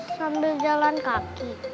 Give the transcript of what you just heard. sambil jalan kaki